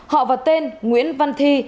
họ và tên nguyễn văn thi